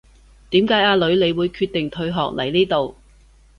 點解阿女你會決定退學嚟呢度